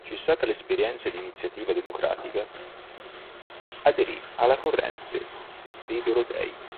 Cessata l'esperienza di Iniziativa democratica, aderì alla corrente dei dorotei.